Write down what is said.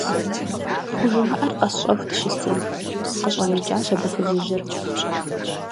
ПхужымыӀэр къэсщӀэху дыщысын? – къыщӀэнэкӀащ абы фызыжьыр.